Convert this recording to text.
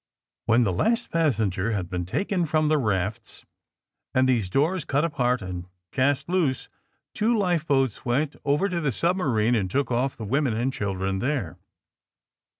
When, the last passenger had been taken from the rafts, and these doors ent apart and cast loose, two life boats went over to the submarine and took off the women and children there.